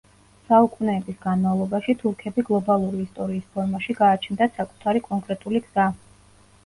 საუკუნეების განმავლობაში, თურქები გლობალური ისტორიის ფორმაში გააჩნდათ საკუთარი კონკრეტული გზა.